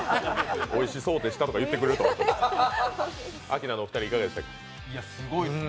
「おいしそうでした」とか言ってくれると思ってた。